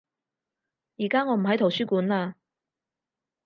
而家我唔喺圖書館嘞